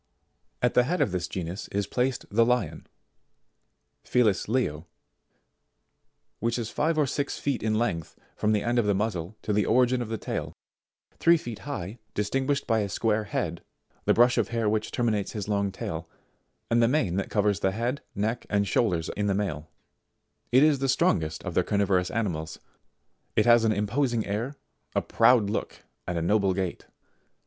72. At the head of this genus is placed the Lion, Felis Leo, which is five or six feet in length from the end of the muzzle to the origin of the tail, three feet high, distinguished by a square head, the brush of hair which terminates his long tail, and the mane that covers the head, neck and shoulders in the male. It is the strongest of the carnivorous animals. It has an imposing air, a proud look, and noble gait.